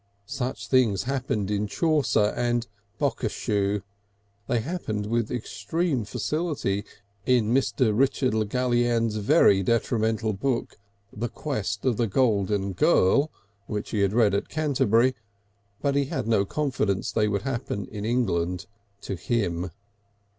Such things happened in Chaucer and "Bocashiew," they happened with extreme facility in Mr. Richard Le Gallienne's very detrimental book, The Quest of the Golden Girl, which he had read at Canterbury, but he had no confidence they would happen in England to him.